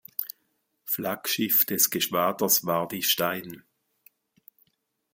Flaggschiff des Geschwaders war die "Stein".